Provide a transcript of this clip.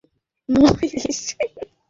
আদেশ অমান্য করেছিস।